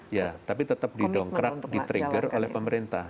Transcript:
ya tapi tetap didongkrak di trigger oleh pemerintah